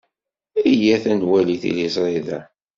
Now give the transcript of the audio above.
Iyyat ad nwali tiliẓri da.